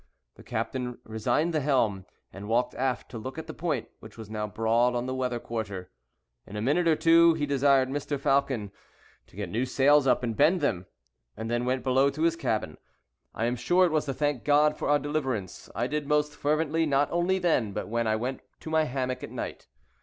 The captain resigned the helm, and walked aft to look at the point, which was now broad on the weather quarter. In a minute or two, he desired Mr. Falcon to get new sails up and bend them, and then went below to his cabin. I am sure it was to thank God for our deliverance: I did most fervently, not only then, but when I went to my hammock at night.